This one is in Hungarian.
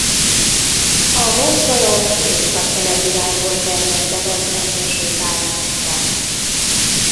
A mozgalom északkelet irányból terjedt el az Egyesült Államokban.